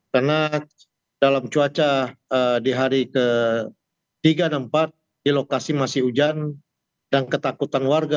karena dalam cuaca di hari ke tiga dan ke empat di lokasi masih hujan dan ketakutan warga